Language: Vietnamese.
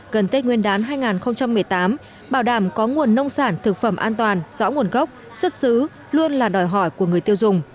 gần tết nguyên đán hai nghìn một mươi tám bảo đảm có nguồn nông sản thực phẩm an toàn rõ nguồn gốc xuất xứ luôn là đòi hỏi của người tiêu dùng